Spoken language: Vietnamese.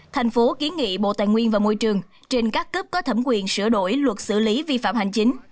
tp hcm kiến nghị bộ tài nguyên và môi trường trên các cấp có thẩm quyền sửa đổi luật xử lý vi phạm hành chính